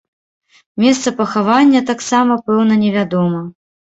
Месца пахавання таксама пэўна не вядома.